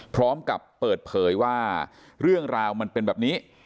พร้อมกับเปิดเผยว่าเรื่องราวมันเป็นแบบนี้